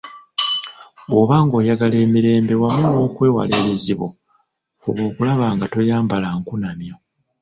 Bw'oba ng'oyagala emirembe wamu n'okwewala ebizibu, fuba okulaba nga toyambala nkunamyo.